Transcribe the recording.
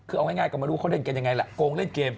เอาง่ายก่อนมารู้กินกันยังไงละกโกงเล่นเกม